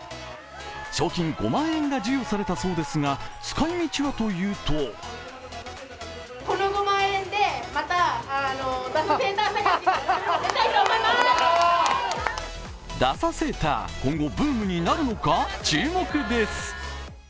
賞金５万円が授与されたそうですが使いみちはというとダサセーター、今後ブームになるのか、注目です。